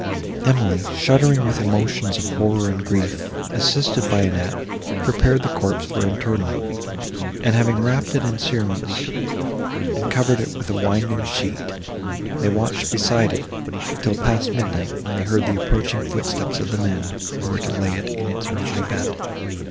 Emily, shuddering with emotions of horror and grief, assisted by Annette, prepared the corpse for interment; and, having wrapt it in cerements, and covered it with a winding sheet, they watched beside it, till past midnight, when they heard the approaching footsteps of the men, who were to lay it in its earthy bed.